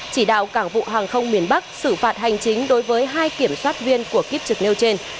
chỉ đạo cảng vụ hàng không miền bắc xử phạt hành chính đối với hai kiểm soát viên của kiếp trực nêu trên